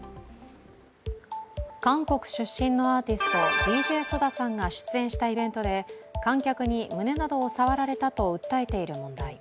韓国出身のアーティスト、ＤＪＳＯＤＡさんが出演したイベントで観客に胸などを触られたと訴えている問題。